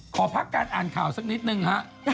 ขอพักการอ่านข่าวสักนิดนึงฮะ